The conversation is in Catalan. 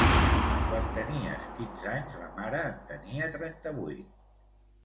Quan tenies quinze anys, ta mare en tenia trenta-vuit.